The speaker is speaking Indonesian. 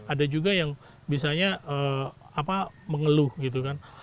ada juga yang misalnya mengeluh gitu kan